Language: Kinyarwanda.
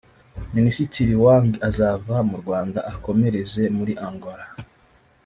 Minisitiri Wang azava mu Rwanda akomereza muri Angola